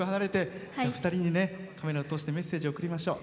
２人にカメラを通してメッセージを送りましょう。